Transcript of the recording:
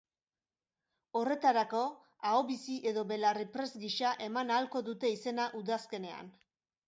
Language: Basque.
Horretarako, ahobizi edo belarriprest gisa eman ahalko dute izena udazkenean.